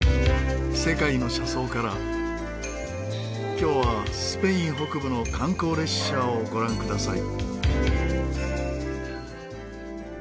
今日はスペイン北部の観光列車をご覧ください。